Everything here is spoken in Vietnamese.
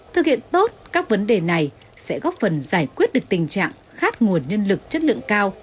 thực hiện tốt các vấn đề này sẽ góp phần giải quyết được tình trạng khát nguồn nhân lực chất lượng cao